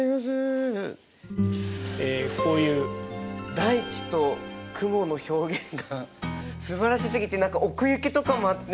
大地と雲の表現がすばらしすぎて何か奥行きとかもあって。